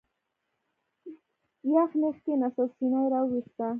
یغ نېغ کېناست او سینه یې را وویسته.